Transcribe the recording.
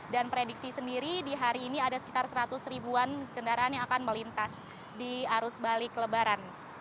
dan prediksi sendiri di hari ini ada sekitar seratus ribuan kendaraan yang akan melintas di arus balik lebaran